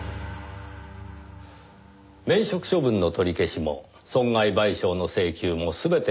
免職処分の取り消しも損害賠償の請求も全て建前。